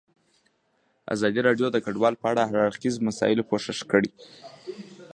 ازادي راډیو د کډوال په اړه د هر اړخیزو مسایلو پوښښ کړی.